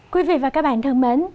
quý vị và các bạn thân mến